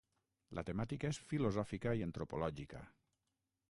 La temàtica és filosòfica i antropològica.